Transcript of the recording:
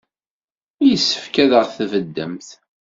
Yessefk ad aɣ-tbeddemt.